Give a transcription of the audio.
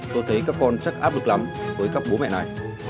tôi thấy các con rất áp lực lắm với các bố mẹ này